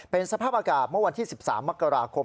เป็นสภาพอากาศเมื่อวันที่๑๓มกราคม